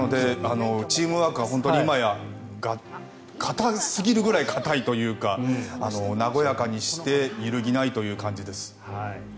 チームワークが本当に今や固すぎるぐらい固いというか和やかにして揺るぎないという感じです。